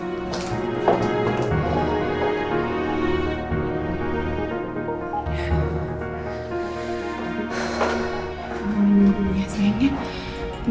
mau minum dulu ya sayangnya